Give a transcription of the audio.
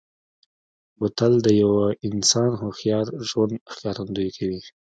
بوتل د یوه انسان هوښیار ژوند ښکارندوي کوي.